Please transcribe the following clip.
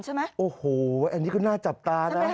ไหนก็น่าจับตานะ